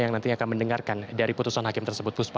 yang nantinya akan mendengarkan dari putusan hakim tersebut puspa